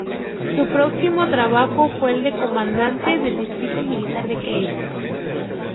Su próximo trabajo fue el de Comandante del Distrito Militar de Kiev.